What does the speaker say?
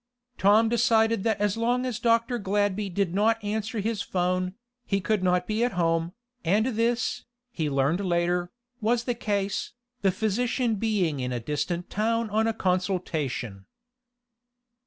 Tom decided that as long as Dr. Gladby did not answer his 'phone, he could not be at home, and this, he learned later, was the case, the physician being in a distant town on a consultation.